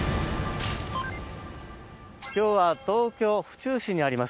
今日は東京・府中市にあります